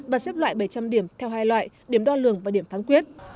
và xếp loại bảy trăm linh điểm theo hai loại điểm đo lường và điểm phán quyết